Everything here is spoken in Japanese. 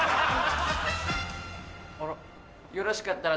あら。